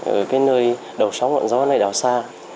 ở nơi đầu sóng ngọn gió này đào xa